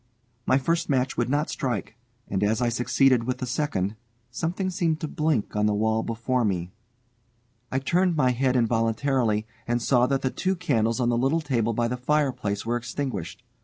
My first match would not strike, and as I succeeded with the second, something seemed to blink on the wall before me. I turned my head involuntarily, and saw that the two candles on the little table by the fireplace were extinguished.